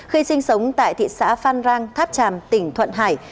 khi sinh sống tại thị xã phan rang tháp tràm tỉnh thuận hải